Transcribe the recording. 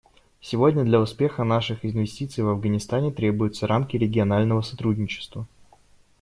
Сегодня для успеха наших инвестиций в Афганистане требуются рамки регионального сотрудничества.